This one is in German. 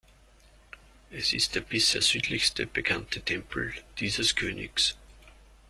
Es ist der bisher südlichste bekannte Tempel dieses Königs.